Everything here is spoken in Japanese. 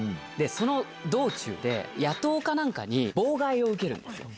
その道中で野盗か何かに妨害を受けるんですよ。